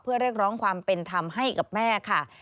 เพื่อเรียกร้องความเป็นธรรมให้กับแม่ค่ะ